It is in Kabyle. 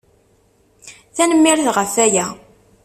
Tanemmirt ɣef waya.